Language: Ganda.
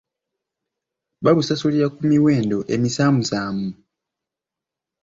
Babusasulira ku miwendo emisaamusaamu.